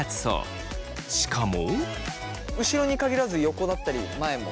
しかも。